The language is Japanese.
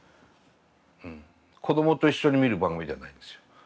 うん子どもと一緒に見る番組ではないんですよ。